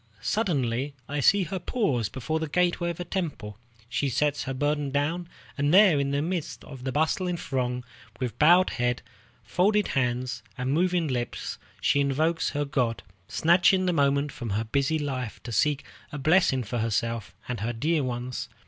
Suddenly I see her pause before the gateway of a temple. She sets her burden down, and there in the midst of the bustling throng, with bowed head, folded hands, and moving lips, she invokes her god, snatching this moment from her busy life to seek a blessing for herself and her dear ones.